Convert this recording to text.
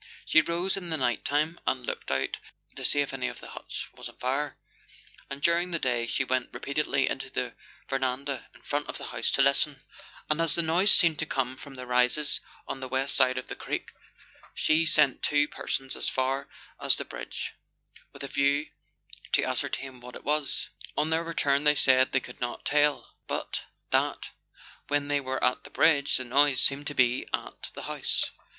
She rose in the night time, and looked out to see if any of the huts was on fire ; and daring the day she went repeatedly into the verandah in front of the house to listen; and as the noise seemed to come from the rises on the west side of the creek, she sent two persons as far as the bridge with a view to ascertain what it was. On their return they said they could not tell, but that when they were at the bridge, the noise seemed to be at the house.